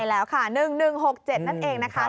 แล้วค่ะ๑๑๖๗นั่นเองนะคะ